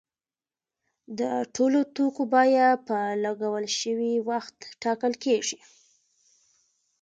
د ټولو توکو بیه په لګول شوي وخت ټاکل کیږي.